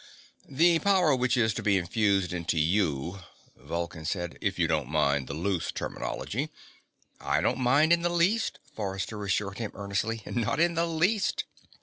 "The power which is to be infused into you," Vulcan said, "if you don't mind the loose terminology " "I don't mind in the least," Forrester assured him earnestly. "Not in the least."